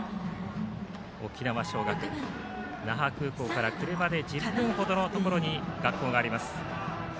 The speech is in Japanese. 沖縄尚学、那覇空港から車で１０分ほどのところに学校があります。